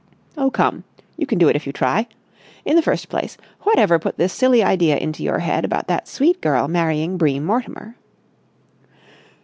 "Oh, come! You can do it if you try. In the first place, whatever put this silly idea into your head about that sweet girl marrying Bream Mortimer?"